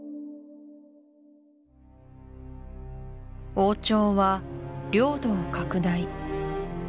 王朝は領土を拡大